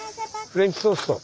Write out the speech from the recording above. フレンチトースト？